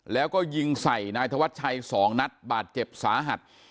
แล้วก็ยิงใส่นายธวัชชัย๒นัดบาดเจ็บสาหัส